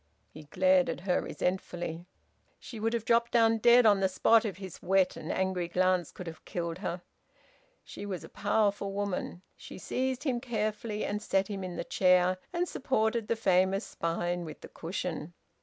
He glared at her resentfully. She would have dropped down dead on the spot if his wet and angry glance could have killed her. She was a powerful woman. She seized him carefully and set him in the chair, and supported the famous spine with the cushion.